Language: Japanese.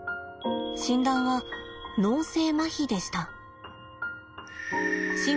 診断は脳性まひでした。